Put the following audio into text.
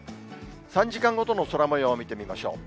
３時間ごとの空もようを見てみましょう。